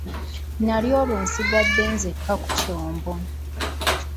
Nali olwo nsigadde nzekka ku kyombo.